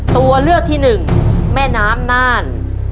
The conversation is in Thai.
ตัวเลือกที่หนึ่งแม่น้ำน่าน